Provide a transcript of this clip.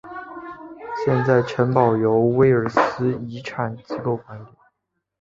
现在城堡由威尔斯遗产机构管理。